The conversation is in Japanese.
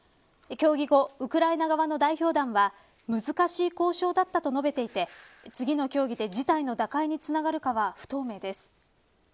協議後、ウクライナ側の代表団は難しい交渉だったと述べていて次の協議で事態の打開につながるかは不透明です。